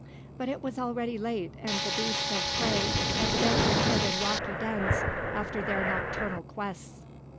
But it was already late and the beasts of prey evidently hid in rocky dens after their nocturnal quests.